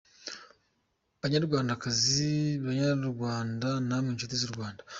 Banyarwandakazi, Banyarwanda namwe nshuti z’u Rwanda,